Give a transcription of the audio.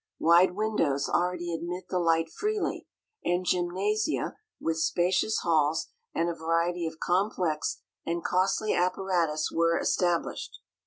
Wide windows already admit the light freely, and gymnasia with spacious halls and a variety of complex and costly apparatus were established.